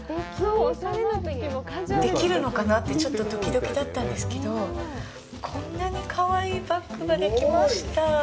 できるのかなってちょっとどきどきだったんですけどこんなにかわいいバッグができました。